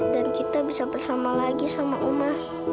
dan kita bisa bersama lagi sama oma